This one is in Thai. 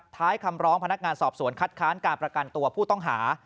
ท้ายคำร้องพนักงานสอบสวนคัดค้านการประกันตัวผู้ต้องหา